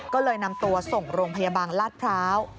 ก็เลยนำตัวส่งโรงพยาบาลลาดพร้าว